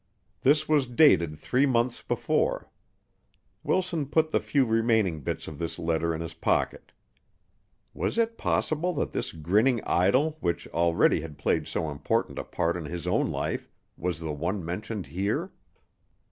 This was dated three months before. Wilson put the few remaining bits of this letter in his pocket. Was it possible that this grinning idol which already had played so important a part in his own life was the one mentioned here?